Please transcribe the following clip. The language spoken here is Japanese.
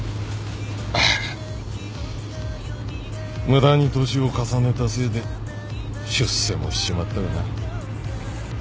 無駄に年を重ねたせいで出世もしちまったがな。